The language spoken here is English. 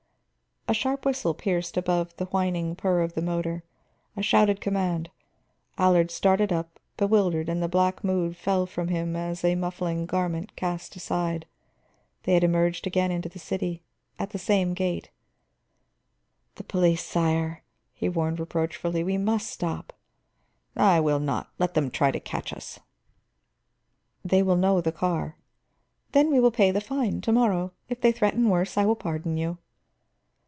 A sharp whistle pierced above the whining purr of the motor, a shouted command. Allard started up, bewildered, and the black mood fell from him as a muffling garment cast aside. They had emerged again into the city, at the same gait. "The police, sire," he warned reproachfully. "We must stop." "I will not. Let them try to catch us." "They will know the car." "Then we will pay the fine, to morrow. If they threaten worse I will pardon you."